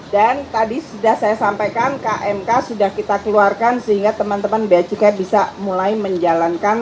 dan tadi sudah saya sampaikan kmk sudah kita keluarkan sehingga teman teman beacuknya bisa mulai menjalankan